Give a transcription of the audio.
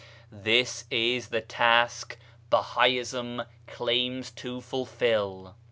This is the task Bahaism claims to fulfil.